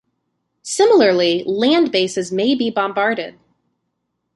Similarly, land bases may be bombarded.